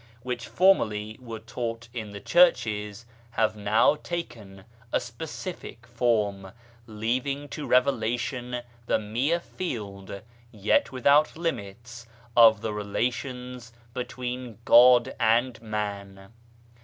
which formerly were taught in the churches, have now taken a specific form, leaving to revelation the mere field — yet without limits — of the relations between God and man.